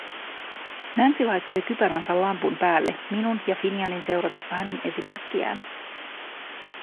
Nancy laittoi kypäränsä lampun päälle minun ja Finianin seuratessa hänen esimerkkiään.